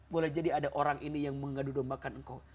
boleh jadi ada orang ini yang mengadu dombakan engkau